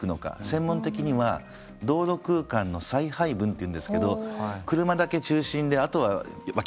専門的には道路空間の再配分っていうんですけど車だけ中心であとは脇！